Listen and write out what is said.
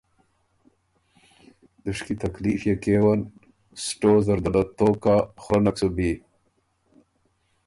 دُشکی تکلیف يې کېون سټو زر ده له توک کَۀ خورنک سُو بی۔